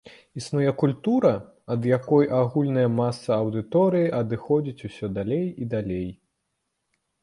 Існуе культура, ад якой агульная маса аўдыторыі адыходзіць усё далей і далей.